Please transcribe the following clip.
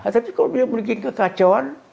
tapi kalau dia memiliki kekacauan